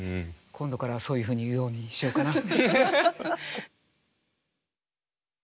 今度からはそういうふうに言うようにしようかな。